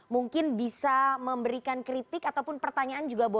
mungkin bisa memberikan kritik ataupun pertanyaan juga boleh